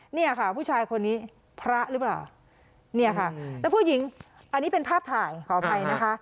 เนี่ยค่ะผู้ชายคนนี้พระหรือเปล่าเนี่ยค่ะแล้วผู้หญิงอันนี้เป็นภาพถ่ายขออภัยนะคะ